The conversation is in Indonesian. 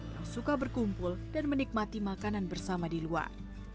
yang suka berkumpul dan menikmati makanan bersama di luar